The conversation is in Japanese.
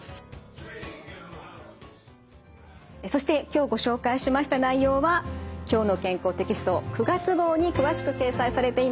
そして今日ご紹介しました内容は「きょうの健康」テキスト９月号に詳しく掲載されています。